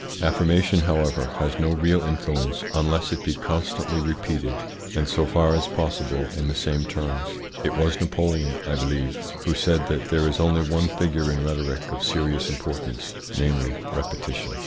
Affirmation, however, has no real influence unless it be constantly repeated, and so far as possible in the same terms. It was Napoleon, I believe, who said that there is only one figure in rhetoric of serious importance, namely, repetition.